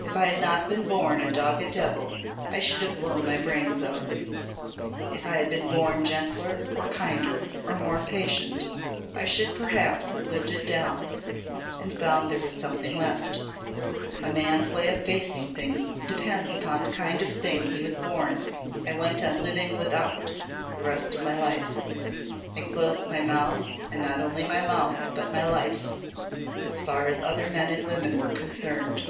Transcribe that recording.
If I had not been born a dogged devil I should have blown my brains out. If I had been born gentler or kinder or more patient I should perhaps have lived it down and found there was something left. A man's way of facing things depends upon the kind of thing he was born. I went on living without the rest of myself. I closed my mouth and not only my mouth but my life as far as other men and women were concerned.